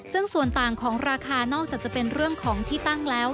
ซึ่งส่วนต่างของราคานอกจากจะเป็นเรื่องของที่ตั้งแล้ว